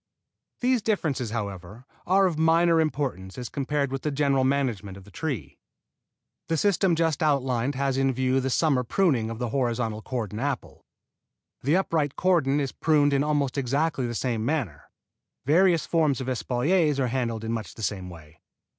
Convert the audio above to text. These differences, however, are of minor importance as compared with the general management of the tree. The system just outlined has in view the summer pruning of the horizontal cordon apple. The upright cordon is pruned in almost exactly the same manner. Various forms of espaliers are handled in much the same way.